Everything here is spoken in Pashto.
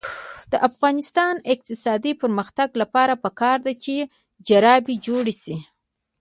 د افغانستان د اقتصادي پرمختګ لپاره پکار ده چې جرابې جوړې شي.